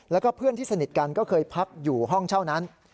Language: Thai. แล้วก็เพื่อนที่สนิทกันก็เคยพักอยู่ห้องเช่านั้น